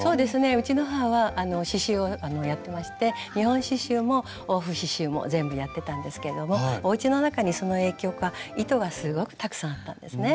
うちの母は刺しゅうをやってまして日本刺しゅうも欧風刺しゅうも全部やってたんですけどもおうちの中にその影響か糸がすごくたくさんあったんですね。